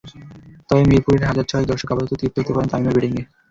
তবে মিরপুরের হাজার ছয়েক দর্শক আপাতত তৃপ্ত হতে পারেন তামিমের ব্যাটিংয়ে।